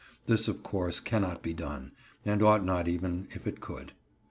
This, of course, cannot be done, and ought not even if it could.